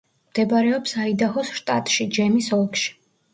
მდებარეობს აიდაჰოს შტატში, ჯემის ოლქში.